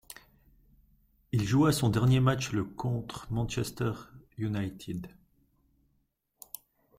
Il joua son dernier match le contre Manchester United.